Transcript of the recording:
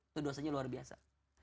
itu dosanya luar biasa